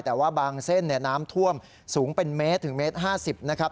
แต่ว่าบางเส้นน้ำท่วมสูงเป็นเมตรถึงเมตร๕๐นะครับ